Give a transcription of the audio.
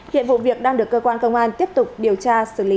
hiện vụ việc đang được cơ quan công an tiếp tục điều tra xử lý